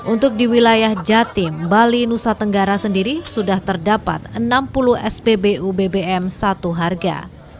untuk di wilayah jatim bali nusa tenggara sendiri sudah terdapat enam puluh spbu bbm satu harga